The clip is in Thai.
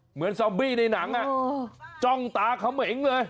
เหมือนซอมบี้ในหนังจ้องตาเขม่งเลย